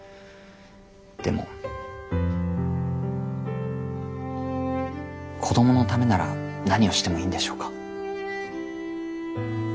でも子供のためなら何をしてもいいんでしょうか？